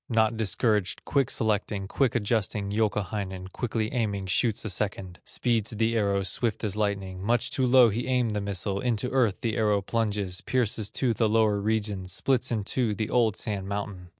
Not discouraged, quick selecting, Quick adjusting, Youkahainen, Quickly aiming, shoots a second. Speeds the arrow swift as lightning; Much too low he aimed the missile, Into earth the arrow plunges, Pierces to the lower regions, Splits in two the old Sand Mountain.